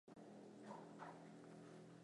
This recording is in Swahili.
Leo ni siku nzuri sana